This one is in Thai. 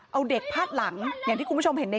เอาเด็กพาดหลังอย่างที่คุณผู้ชมเห็นใน